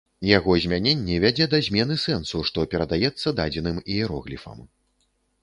Яго змяненне вядзе да змены сэнсу, што перадаецца дадзеным іерогліфам.